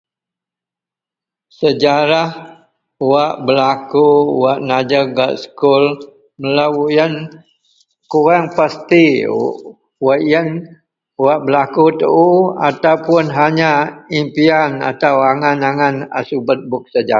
Sejarah wak belaku wak najer gak sekul melou yen kureang pasti. Wak yen wak belaku tuu ataupun hanya impian atau angan-angan a subet bup sejarah.